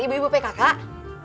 tidak usah adushgohara kok